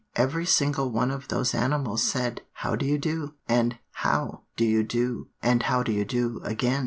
every single one of those animals said, 'How do you do, and how do you do, and how do you do again.